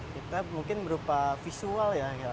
kita mungkin berupa visual ya